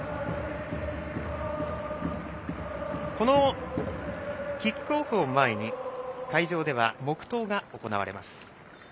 このキックオフを前に会場では黙とうが行われます。